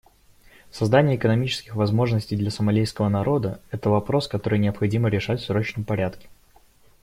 Создание экономических возможностей для сомалийского народа — это вопрос, который необходимо решать в срочном порядке.